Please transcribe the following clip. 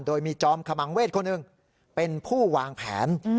โดยมีจอมขมังเวทคนหนึ่งเป็นผู้วางแผน